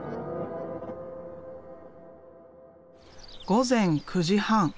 午前９時半。